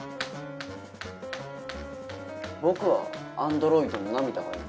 僕は「アンドロイドの涙」がいい。